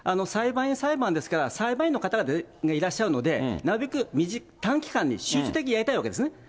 裁判員裁判ですから、裁判員の方がいらっしゃるので、なるべく短期間に集中的にやりたいわけですね。